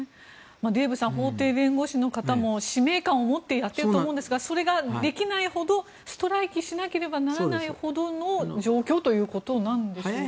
デーブさん法廷弁護士の方も使命感を持ってやっていると思うんですがそれができないほどストライキしなければならないほどの状況ということなんでしょうか。